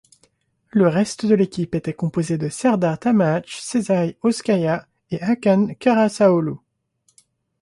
Le reste de l'équipe était composé de Serdar Tamaç, Sezai Özkaya et Hakan Karacaoğlu.